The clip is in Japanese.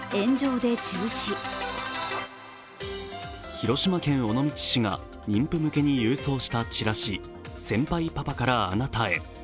広島県尾道市が妊婦向けに郵送したチラシ、「先輩パパからあなたへ」。